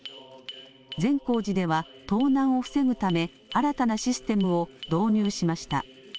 善光寺では盗難を防ぐため新たなシステムを導入しました。